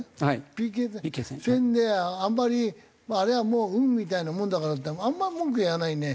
ＰＫ戦であんまりあれはもう運みたいなものだからってあんまり文句言わないね。